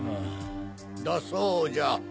だそうじゃ。